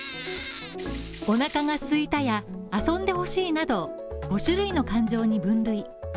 おなかがすいたや遊んでほしいなど、５種類の感情に分類。